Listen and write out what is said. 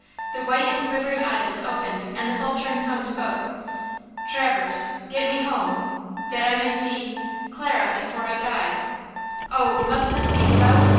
The white and quivering eyelids opened and the faltering tongue spoke: "Traverse–get me home–that I may see–Clara before I die!" "Oh, must this be so!